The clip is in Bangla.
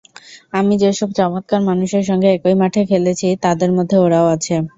আমি যেসব চমৎকার মানুষের সঙ্গে একই মাঠে খেলেছি, তাদের মধ্যে ওরাও আছে।